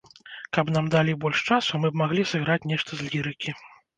Каб нам далі больш часу, мы б маглі сыграць нешта з лірыкі.